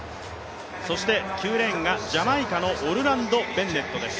そして９レーンがジャマイカのオルランド・ベンネットです。